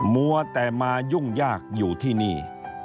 มัวแต่มายุ่งยากอยู่ที่นี่